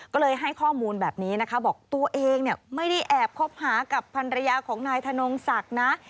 ก็เลยให้ข้อมูลแบบนี้นะคะบอกตัวเองเนี่ยไม่ได้แอบคบหากับภรรยาของนายธนงศักดิ์นะ